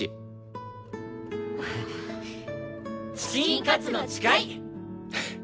「チキンカツの誓い」！